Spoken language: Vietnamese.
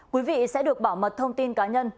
quý vị sẽ được bảo mật thông tin cá nhân